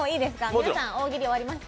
皆さん大喜利終わりました？